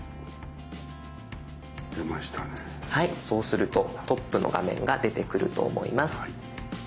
そうするとトップの画面が出てくると思います。